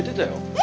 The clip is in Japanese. え？